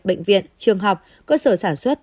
bệnh viện trường học cơ sở sản xuất